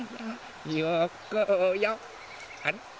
あれ？